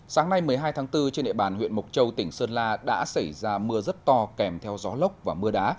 sáng nay một mươi hai tháng bốn trên địa bàn huyện mộc châu tỉnh sơn la đã xảy ra mưa rất to kèm theo gió lốc và mưa đá